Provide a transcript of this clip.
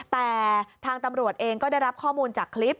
แต่ทางตำรวจเองก็ได้รับข้อมูลจากคลิป